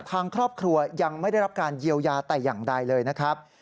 ทางครอบครัวยังไม่ได้รับการเยียวยาแต่อย่างใดเลยนะครับ